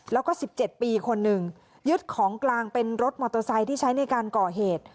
แล้วก็๑๗ปีคนหนึ่งยึดของกลางเป็นรถมอเตอร์ไซค์ที่ใช้ในการก่อเหตุ